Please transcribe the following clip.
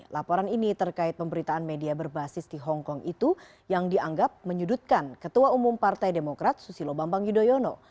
laporan ini terkait pemberitaan media berbasis di hongkong itu yang dianggap menyudutkan ketua umum partai demokrat susilo bambang yudhoyono